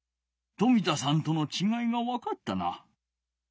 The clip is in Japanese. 冨田さんとのちがいがわかったな！